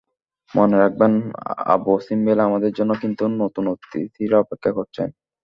মনে রাখবেন, আবু সিম্বেলে আমাদের জন্য কিন্তু নতুন অতিথিরা অপেক্ষা করছেন!